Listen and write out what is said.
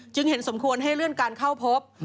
เห็นสมควรให้เลื่อนการเข้าพบ